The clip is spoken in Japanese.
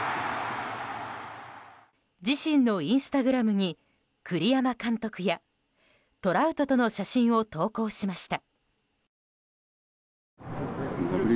自身のインスタグラムに栗山監督やトラウトとの写真を投稿しました。